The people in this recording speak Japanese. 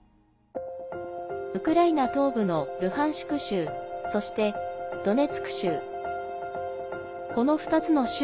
ウクライナ東部のルハンシク州そして、ドネツク州。